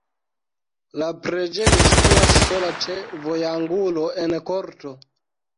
La preĝejo situas sola ĉe vojangulo en korto.